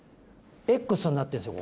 「Ｘ」になってるんですよ